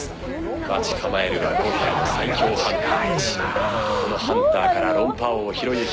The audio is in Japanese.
待ち構えるは５体の最強ハンターたち。